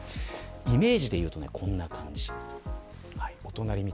イメージで言うとこんな感じ。